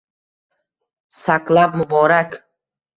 Saklab muborak.